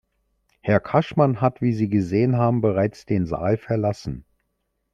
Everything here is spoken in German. Herr Cashman hat, wie Sie gesehen haben, bereits den Saal verlassen.